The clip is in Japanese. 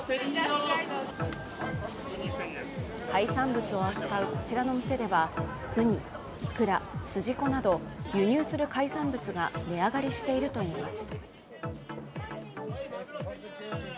海産物を扱うこちらの店ではうに、いくら、筋子など輸入する海産物が値上がりしているといいます。